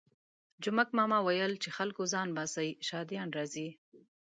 جومک ماما ویل چې خلکو ځان باسئ شهادیان راځي.